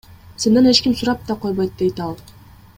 Сенден эч ким сурап да койбойт, — дейт ал.